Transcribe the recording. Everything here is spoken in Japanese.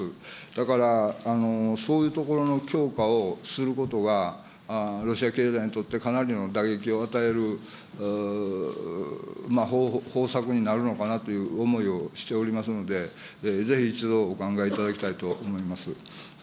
だから、そういうところの強化をすることが、ロシア経済にとってかなりの打撃を与える方策になるのかなという思いをしておりますので、ぜひ一度お考えいただきたいと思います。